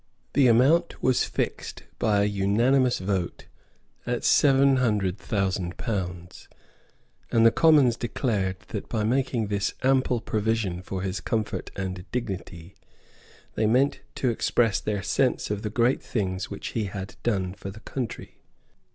The amount was fixed, by an unanimous vote, at seven hundred thousand pounds; and the Commons declared that, by making this ample provision for his comfort and dignity, they meant to express their sense of the great things which he had done for the country.